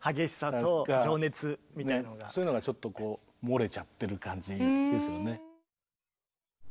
そういうのがちょっとこう漏れちゃってる感じですよね。